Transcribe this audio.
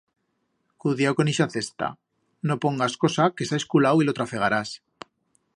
Cudiau con ixa cesta, no pongas cosa que s'ha esculau y lo trafegarás.